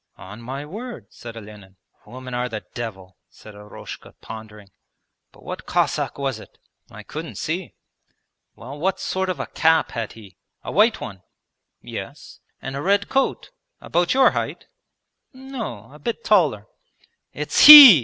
'On my word,' said Olenin. 'Women are the devil,' said Eroshka pondering. 'But what Cossack was it?' 'I couldn't see.' 'Well, what sort of a cap had he, a white one?' 'Yes.' 'And a red coat? About your height?' 'No, a bit taller.' 'It's he!'